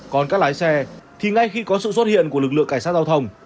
còn các lái xe thì ngay khi có sự xuất hiện của lực lượng cảnh sát giao thông